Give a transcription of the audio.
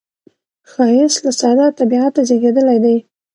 ښایست له ساده طبعیته زیږېدلی دی